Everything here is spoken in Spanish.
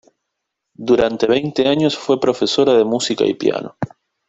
Durante veinte años, fue profesora de música y piano.